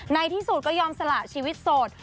ในที่สุดก็ยอมสละชีวิตโสด